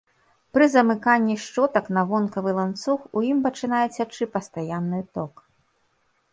Пры замыканні шчотак на вонкавы ланцуг у ім пачынае цячы пастаянны ток.